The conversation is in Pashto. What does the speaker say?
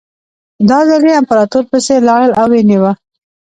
دا ځل یې امپراتور پسې لاړل او ونیو یې.